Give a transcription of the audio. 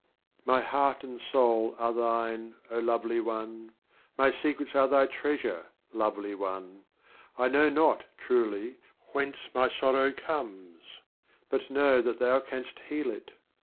BABA TAHJR 56. My Heart and Soul are thine, Lovely One, My Secrets are thy Treasure, Lovely One. I know not, truly, whence my Sorrow comes, But know that thou canst heal it.